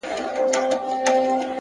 لوړ فکر لوی بدلونونه راولي’